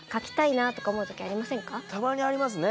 たまにありますね